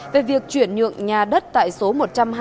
về việc chuyển nhượng nhà đất tại số một trăm hai mươi